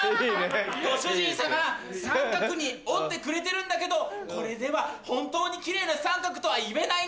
ご主人様三角に折ってくれてるんだけどこれでは本当にキレイな三角とはいえないね。